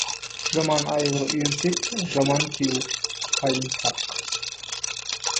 Жаман айғыр үйірсек, жаман күйеу қайынсақ.